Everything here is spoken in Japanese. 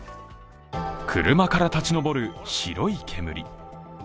車から立ち上る白い煙。